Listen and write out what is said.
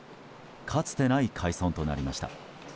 かつてない開村となりました。